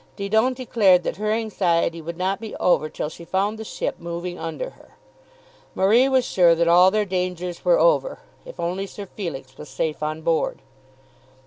Didon declared that her anxiety would not be over till she found the ship moving under her. Marie was sure that all their dangers were over, if only Sir Felix was safe on board.